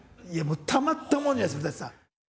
たまったもんじゃないです古さん。